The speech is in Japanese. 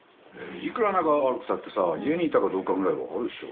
いくら仲が悪くたってさ家にいたかどうかぐらいわかるでしょ。